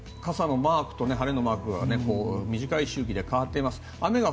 傘のマークと晴れのマークが短い周期で変わっていきます。